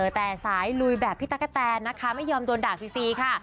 แต่สายลุยแบบพี่ตั๊กกะแตนนะคะไม่ยอมโดนด่าฟรีค่ะ